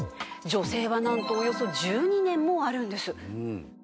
女性はなんとおよそ１２年もあるんです。